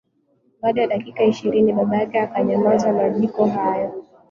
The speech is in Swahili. Baada ya dakika ishirini, baba yake akayazima majiko hayo.